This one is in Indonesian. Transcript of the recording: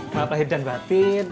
maaf lahir dan batin